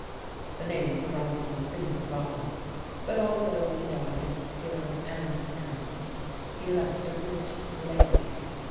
"The name of Franz was soon forgotten, but although he died obscure and penniless he left a rich legacy.